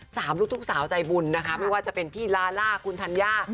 ลูกทุ่งสาวใจบุญนะคะไม่ว่าจะเป็นพี่ลาล่าคุณธัญญา